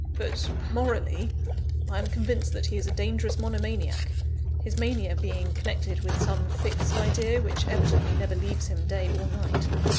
But, morally, I am convinced that he is a dangerous monomaniac; his mania being connected with some fixed idea which evidently never leaves him day or night.